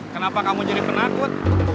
kenapa kamu jadi penakut